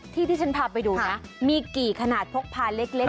ที่ที่ฉันพาไปดูนะมีกี่ขนาดพกพาเล็ก